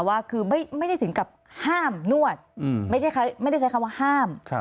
ว่าคือไม่ได้ถึงกับห้ามนวดไม่ได้ใช้คำว่าห้าม